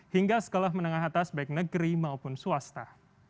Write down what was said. hingga sekolah menengah atas baik negeri maupun swasta